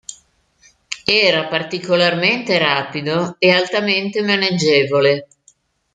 Era particolarmente rapido e altamente maneggevole.